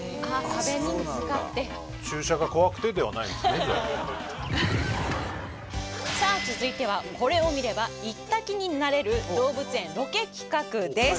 壁に向かってさあ続いてはこれを見れば行った気になれる動物園ロケ企画です